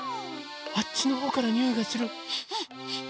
あっちのほうからにおいがする。